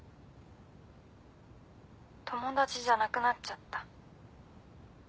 友達じゃなくなっちゃった。